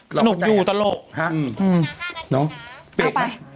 หลอกก็ได้ครับอืมน้องเปรียบนะครับอ๋อเอาไป